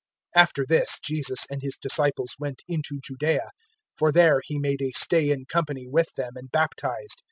003:022 After this Jesus and His disciples went into Judaea; and there He made a stay in company with them and baptized.